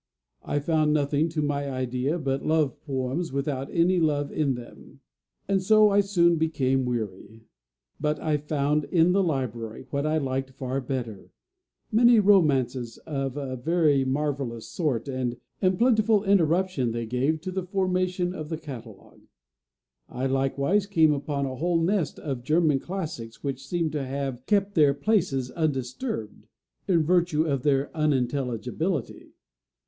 I found nothing, to my idea, but love poems without any love in them, and so I soon became weary. But I found in the library what I liked far better many romances of a very marvellous sort, and plentiful interruption they gave to the formation of the catalogue. I likewise came upon a whole nest of the German classics which seemed to have kept their places undisturbed, in virtue of their unintelligibility.